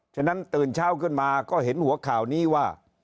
ฉะนั้นตื่นเช้าขึ้นมาก็เห็นหัวข่าวนี้ว่า